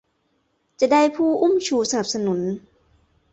จะได้ผู้อุ้มชูสนับสนุน